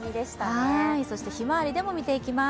ひまわりでも見ていきます。